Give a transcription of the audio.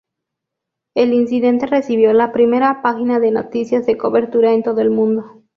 El incidente recibió la primera página de noticias de cobertura en todo el mundo.